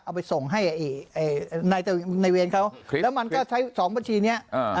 เอาไปส่งให้ในเวรเขาแล้วมันก็ใช้สองบัญชีนี้